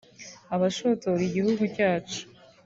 Abashotora igihugu cyacu